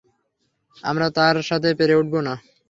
আমরা তার সাথে পেরে উঠবো না।